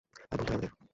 আর ভুগতে হয় আমাদের।